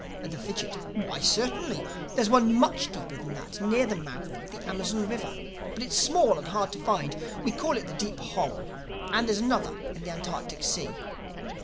The Fidgit: "Why, certainly. There's one much deeper than that near the mouth of the Amazon River. But it's small and hard to find. We call it 'The Deep Hole.' And there's another in the Antarctic Sea."